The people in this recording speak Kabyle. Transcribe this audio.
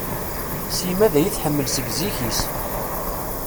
Sima daya i tḥemmel seg zik-is.